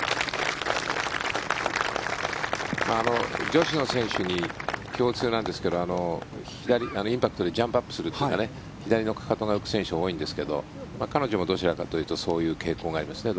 女子の選手に共通なんですけどインパクトでジャンプアップするというか左のかかとが浮く選手が多いんですが彼女もどちらかというとそういう傾向がありますね。